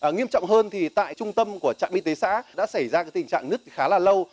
nghiêm trọng hơn thì tại trung tâm của trạm y tế xã đã xảy ra tình trạng nứt khá là lâu